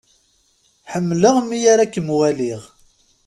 Ḥemmleɣ mi ara akem-waliɣ.